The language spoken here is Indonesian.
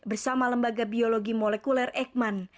bersama lembaga biologi molekuler eijkman